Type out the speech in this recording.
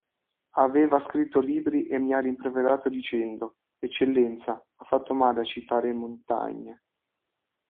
Aveva scritto libri e mi ha rimproverato dicendo: Eccellenza, ha fatto male a citare Montaigne.